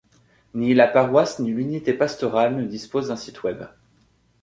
Ni la paroisse ni l’unité pastorale ne dispose d’un site web.